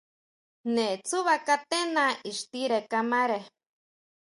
Jne tsúʼba katena ixtire kamare.